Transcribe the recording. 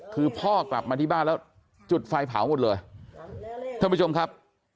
คือพ่อกลับมาที่บ้านแล้วจุดไฟเผาหมดเลยท่านผู้ชมครับ